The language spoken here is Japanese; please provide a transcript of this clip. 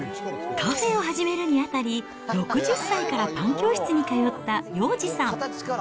カフェを始めるにあたり、６０歳からパン教室に通った洋治さん。